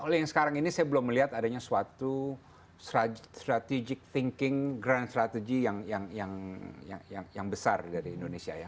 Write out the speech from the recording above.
kalau yang sekarang ini saya belum melihat adanya suatu strategic thinking grand strategy yang besar dari indonesia ya